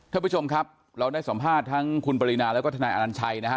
ท่านผู้ชมครับเราได้สัมภาษณ์ทั้งคุณปรินาแล้วก็ทนายอนัญชัยนะฮะ